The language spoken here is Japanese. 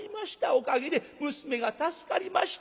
おかげで娘が助かりました。